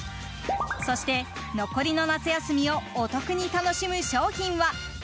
そして残りの夏休みをお得に楽しむ商品は？